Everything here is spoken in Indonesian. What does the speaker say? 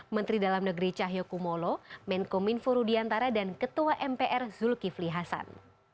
menteri dalam negeri cahyokumolo menko minfo rudiantara dan ketua mpr zulkifli hasan